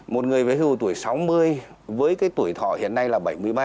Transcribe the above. một người về hưu tuổi sáu mươi với tuổi thỏ hiện nay là bảy mươi ba